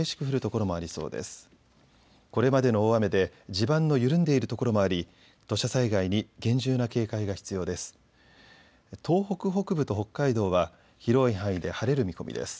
これまでの大雨で地盤の緩んでいる所もあり土砂災害に厳重な警戒が必要です。